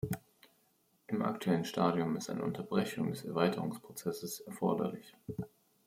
Im aktuellen Stadium ist eine Unterbrechung des Erweiterungsprozesses erforderlich.